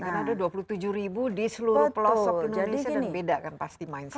karena ada dua puluh tujuh ribu di seluruh pelosok indonesia dan beda kan pasti mindsetnya